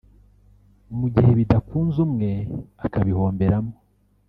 mu gihe bidakunze umwe akabihomberamo